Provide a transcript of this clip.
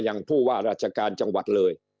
ผู้ว่าราชการจังหวัดเลย